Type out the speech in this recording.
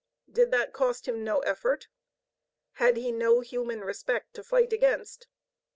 Did that cost him no effort? Had he no human respect to fight against?